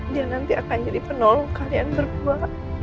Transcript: dia nanti akan jadi penolong kalian berdua